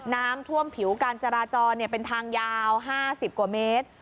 น้ำท่วมผิวการจราจรเป็นทางยาว๕๐กว่าเมตร